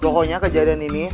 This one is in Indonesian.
pokoknya kejadian ini